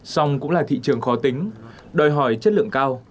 song cũng là thị trường khó tính đòi hỏi chất lượng cao